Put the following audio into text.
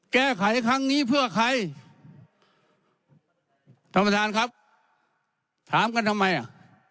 แก้ไขครั้งนี้เพื่อใครท่านประธานครับถามกันทำไมอ่ะ